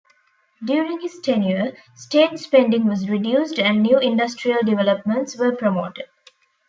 During his tenure, state spending was reduced and new industrial developments were promoted.